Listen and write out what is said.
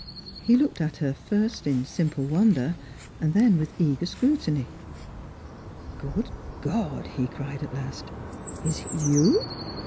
He looked at her, first in simple wonder, then with eager scrutiny. " Good God," he cried at last, " is it you